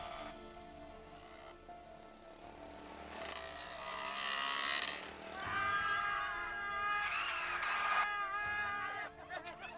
aku mau ke rumah